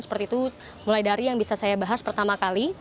seperti itu mulai dari yang bisa saya bahas pertama kali